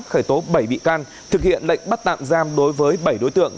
khởi tố bảy bị can thực hiện lệnh bắt tạm giam đối với bảy đối tượng